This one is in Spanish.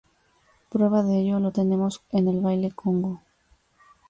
Prueba de ello lo tenemos en el baile Congo.